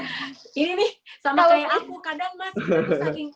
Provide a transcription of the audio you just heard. ini nih sama kayak aku kadang mas